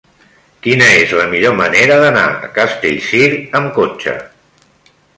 Quina és la millor manera d'anar a Castellcir amb cotxe?